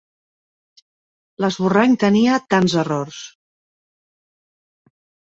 L'esborrany tenia tants errors.